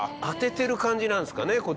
当ててる感じなんですかね